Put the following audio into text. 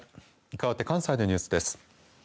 かわって関西のニュースです。